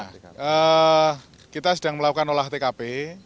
ya kita sedang melakukan olah tkp